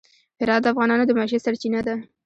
هرات د افغانانو د معیشت سرچینه ده.